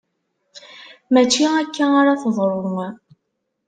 Mačči akka ara teḍru!